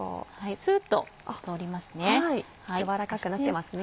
スッと通りますね。